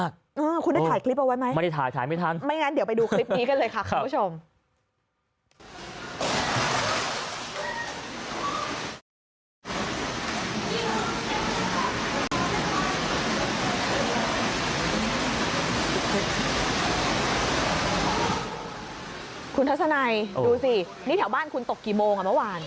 คุณทัศนัยดูสินี่แถวบ้านคุณตกกี่โมงอ่ะเมื่อวาน